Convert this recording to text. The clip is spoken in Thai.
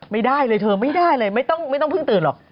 ไม่ได้เลยเธอไม่ได้เลยไม่ต้องเพิ่งตื่นหรอก